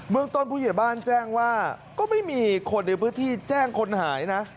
เมืองต้นผู้ใหญ่บ้านแจ้งว่าก็ไม่มีคนในพื้นที่แจ้งคนหายนะ